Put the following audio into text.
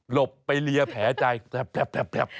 หลบไปเลียแผลใจแปบ